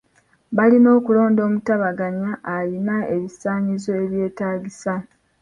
Balina okulonda omutabaganya ayina ebisaanyizo ebyetaagisa.